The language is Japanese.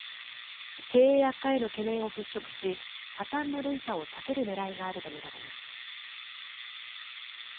経営悪化への懸念を払拭し破綻の連鎖を避けるねらいがあると見られます。